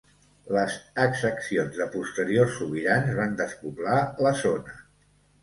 Les exaccions de posteriors sobirans van despoblar la zona.